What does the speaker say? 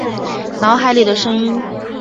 脑海里的声音